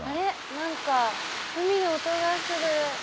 なんか海の音がする。